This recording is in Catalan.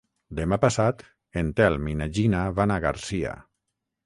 Demà passat en Telm i na Gina van a Garcia.